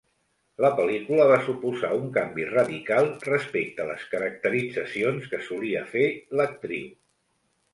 La pel·lícula va suposar un canvi radical respecte les caracteritzacions que solia fer l’actriu.